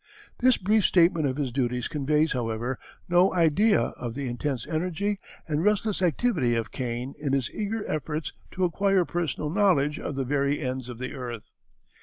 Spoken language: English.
This brief statement of his duties conveys, however, no idea of the intense energy and restless activity of Kane in his eager efforts to acquire personal knowledge of the very ends of the earth.